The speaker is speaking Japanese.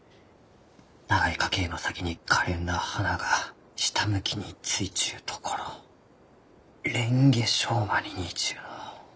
長い花茎の先にかれんな花が下向きについちゅうところレンゲショウマに似ちゅうのう。